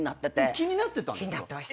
気になってたんですか？